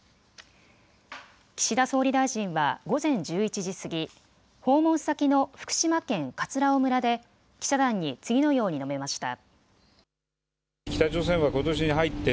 岸田総理大臣は午前１１時過ぎ、訪問先の福島県葛尾村で記者団に次のように述べました。